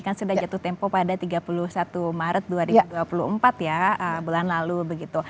kan sudah jatuh tempo pada tiga puluh satu maret dua ribu dua puluh empat ya bulan lalu begitu